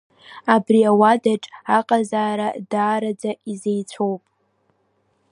Абри ауадаҿ аҟазаара даараӡа изеицәоуп.